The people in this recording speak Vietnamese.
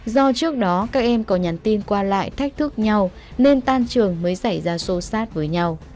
do trước đó các em có nhắn tin qua lại thách thức nhau nên tan trường mới xảy ra xô xát với nhau